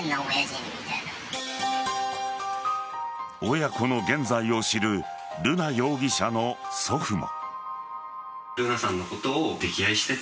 親子の現在を知る瑠奈容疑者の祖父も。